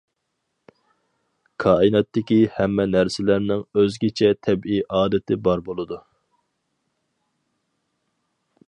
كائىناتتىكى ھەممە نەرسىلەرنىڭ ئۆزگىچە تەبىئىي ئادىتى بار بولىدۇ.